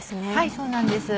そうなんです。